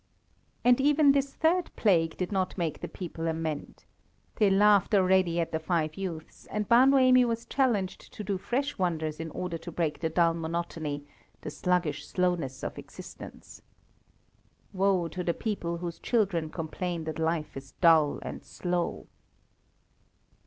And even this third plague did not make the people amend. They laughed already at the five youths, and Bar Noemi was challenged to do fresh wonders in order to break the dull monotony, the sluggish slowness of existence. Woe to the people whose children complain that life is dull and slow.